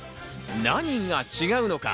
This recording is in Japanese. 何が違うのか？